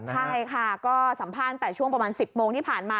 ใช่ค่ะก็สัมภาษณ์แต่ช่วงประมาณ๑๐โมงที่ผ่านมา